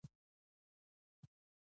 د دې ځای ډېر ښکلا دي.